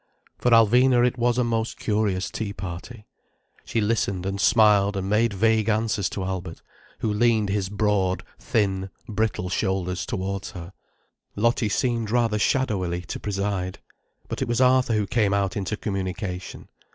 For Alvina it was a most curious tea party. She listened and smiled and made vague answers to Albert, who leaned his broad, thin, brittle shoulders towards her. Lottie seemed rather shadowily to preside. But it was Arthur who came out into communication.